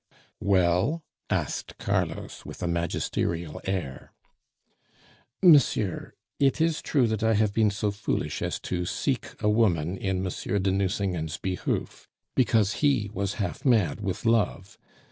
"Well?" asked Carlos with a magisterial air. "Monsieur, it is true that I have been so foolish as to seek a woman in Monsieur de Nucingen's behoof, because he was half mad with love.